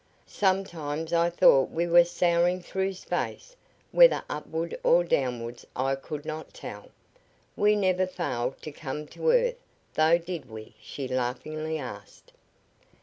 "Sometimes I thought we were soaring through space, whether upward or downwards I could not tell. We never failed to come to earth, though, did we?" she laughingly asked.